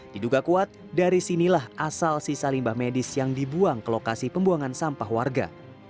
diduga kuat dari sinilah asal sisa limbah medis yang dibuang ke lokasi pembuangan sampah warga